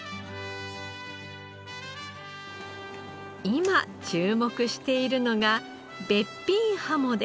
今注目しているのがべっぴんハモです。